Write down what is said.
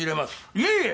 いえいえ！